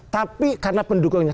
tapi karena pendukungnya